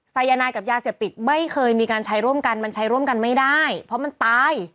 สายนายกับยาเสพติดไม่เคยมีการใช้ร่วมกันมันใช้ร่วมกันไม่ได้เพราะมันตาย